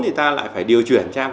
thì ta lại phải điều chuyển sang